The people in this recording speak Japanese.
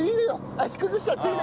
足崩しちゃっていいんだよ